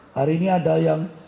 hari ini ada yang